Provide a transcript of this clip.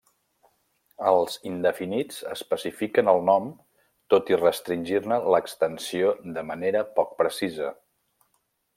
Els indefinits especifiquen el nom tot i restringir-ne l'extensió de manera poc precisa.